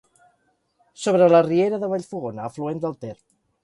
Sobre la riera de Vallfogona, afluent del Ter.